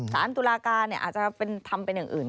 สารตุลาการอาจจะทำเป็นอย่างอื่น